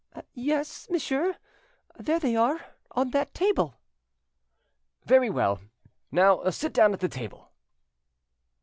"Yes, monsieur; there they are, on that table." "Very well. Now sit down at the table."